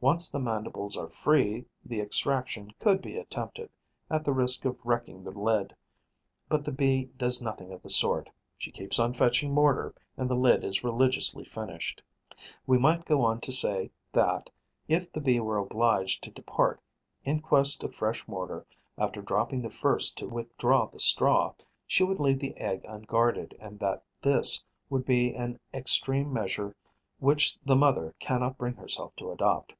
Once the mandibles are free, the extraction could be attempted, at the risk of wrecking the lid. But the Bee does nothing of the sort: she keeps on fetching mortar; and the lid is religiously finished. We might go on to say that, if the Bee were obliged to depart in quest of fresh mortar after dropping the first to withdraw the straw, she would leave the egg unguarded and that this would be an extreme measure which the mother cannot bring herself to adopt.